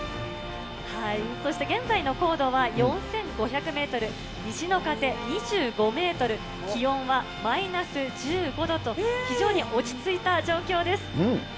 そして現在の高度は４５００メートル、西の風２５メートル、気温はマイナス１５度と、非常に落ち着いた状況です。